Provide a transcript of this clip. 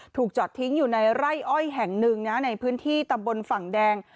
ถูกจอดทิ้งอยู่ในไร่อ้อยแห่งหนึ่งนะในพื้นที่ตำบลฝั่งแดง